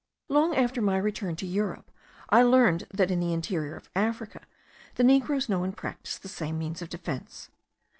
Long after my return to Europe, I learned that in the interior of Africa the negroes know and practise the same means of defence.